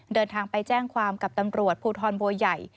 เดินทางไปแจ้งความกับตำรวจภูทรบัวใหญ่